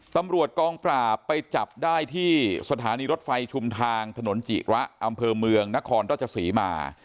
ตำรวจกองปราบไปจับได้ที่สถานีรถไฟชุมทางถนนจิระอำเภอเมืองนครราชศรีมา